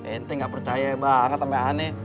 ente gak percaya banget sama aneh